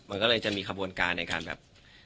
มันก็เลยจะมีขบวนการในการแบบ